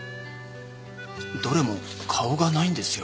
どれも顔がないんですよ。